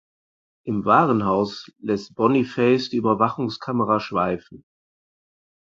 Im Warenhaus lässt Boniface die Überwachungskamera schweifen.